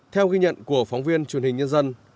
theo ghi nhận của phóng viên truyền hình nhân dân